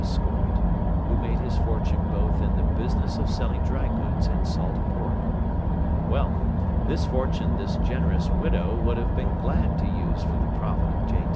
Scorbitt, who made his fortune both in the business of selling dry goods and salt pork. Well, this fortune this generous widow would have been glad to use for the profit of J.